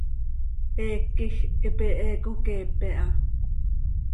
Heec quij hipi he coqueepe ha.